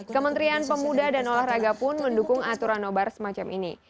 kementerian pemuda dan olahraga pun mendukung aturan nobar semacam ini